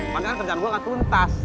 makanya kan kerjaan gua gak tuntas